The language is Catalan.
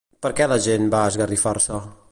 Per què la gent va esgarrifar-se?